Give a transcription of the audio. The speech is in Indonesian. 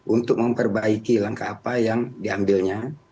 untuk memperbaiki langkah apa yang diambilnya